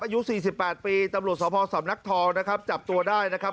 อายุสี่สิบแปดปีตำลูกสาวพอร์สอบนักทองนะครับจับตัวได้นะครับ